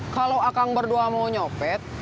kalau akang berdua mau nyopet